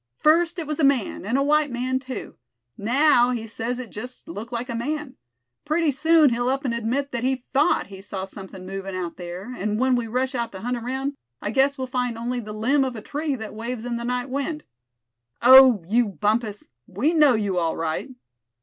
"First it was a man, and a white man too. Now he says it just looked like a man. Pretty soon he'll up and admit that he thought he saw something moving out there; and when we rush out to hunt around, I guess we'll find only the limb of a tree that waves in the night wind. Oh! you Bumpus, we know you, all right!"